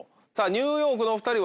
ニューヨークのお２人は？